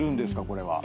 これは。